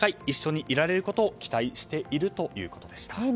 一緒にいられることを期待しているということでした。